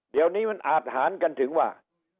เดี๋ยวนี้มันอาจหารกันถึงว่า